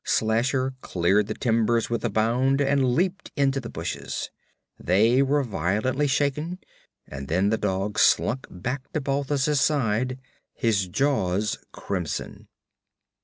Slasher cleared the timbers with a bound and leaped into the bushes. They were violently shaken and then the dog slunk back to Balthus' side, his jaws crimson.